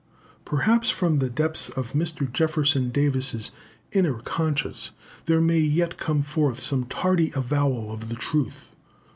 Perhaps from the depths of Mr. Jefferson Davis's inner conscience there may yet come forth some tardy avowal of the truth.